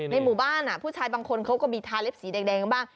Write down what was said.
หมู่บ้านผู้ชายบางคนเขาก็มีทาเล็บสีแดงบ้าง